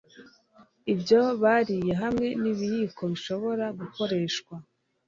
ibyo bariye hamwe n'ikiyiko gishobora gukoreshwa